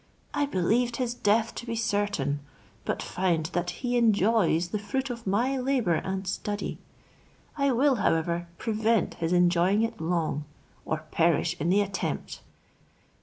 I believed his death to be certain; but find that he enjoys the fruit of my labour and study! I will, however, prevent his enjoying it long, or perish in the attempt."